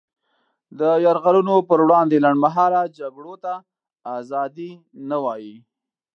د یرغلونو پر وړاندې لنډمهاله جګړو ته ازادي نه وايي.